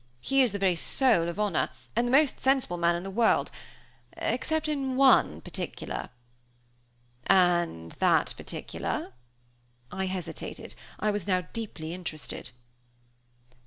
He is the very soul of honor, and the most sensible man in the world, except in one particular." "And that particular?" I hesitated. I was now deeply interested.